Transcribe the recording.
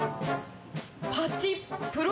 パチプロ？